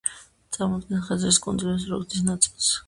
წარმოადგენს ხაზარის კუნძულების პროექტის ნაწილს.